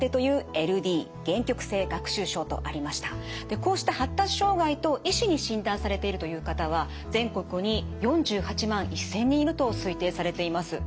こうした発達障害と医師に診断されているという方は全国に４８万１，０００人いると推定されています。